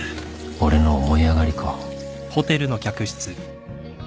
俺の思い上がりか